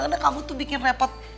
karena kamu tuh bikin repot